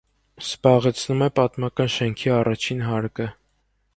Զբաղեցնում է պատմական շենքի առաջին հարկը։